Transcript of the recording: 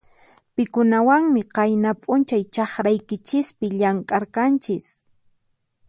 Pikunawanmi qayna p'unchay chakraykichispi llamk'arqanchis?